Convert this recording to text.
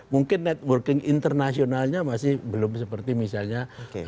mungkin networking internasionalnya masih belum seperti misalnya